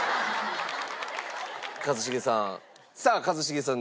一茂さん。